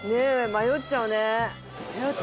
迷っちゃうね。